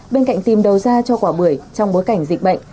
bên cạnh tìm đầu ra cho quả bưởi trong bối cảnh dịch bệnh